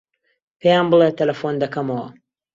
پێیان بڵێ تەلەفۆن دەکەمەوە.